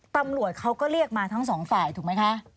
ตำรวจเขาก็เรียกมาทั้งสองฝ่ายถูกไหมคะ